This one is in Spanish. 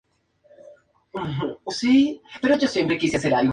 Esta señora se encontraba entre los sobrevivientes de la Revuelta de los indios pueblo.